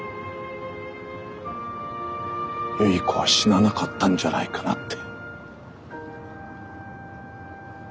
有依子は死ななかったんじゃないかなって。